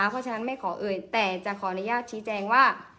เพราะฉะนั้นไม่ขอเอ่ยแต่จะขออนุญาตชี้แจงว่า